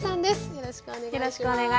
よろしくお願いします。